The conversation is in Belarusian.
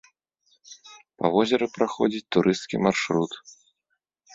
Па возеры праходзіць турысцкі маршрут.